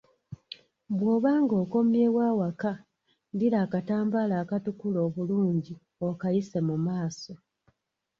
Bwobanga okomyewo awaka, ddira akatambala akatukula obulungi, okayise mu maaso.